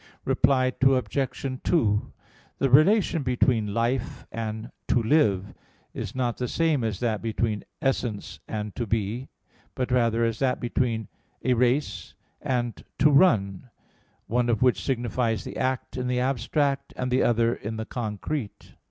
Reply Obj. 2: The relation between "life" and "to live" is not the same as that between "essence" and "to be"; but rather as that between "a race" and "to run," one of which signifies the act in the abstract, and the other in the concrete.